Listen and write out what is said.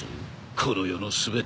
この世の全て？